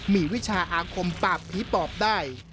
มีวิชาอาคมปากผีปอบได้